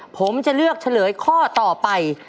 ผมจะเลือกเฉลยข้อต่อไป